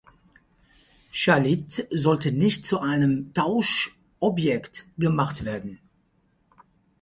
Shalit sollte nicht zu einem Tauschobjekt gemacht werden.